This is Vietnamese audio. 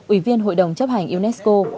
ủy viên hội đồng chấp hành unesco